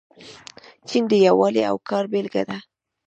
چین د یووالي او کار بیلګه ده.